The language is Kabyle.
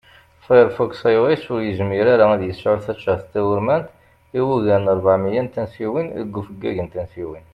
Firefox iOS ur yizmir ara ad yesεu taččart tawurmant i ugar n rbeɛ miyya n tansiwin deg ufeggag n tansiwin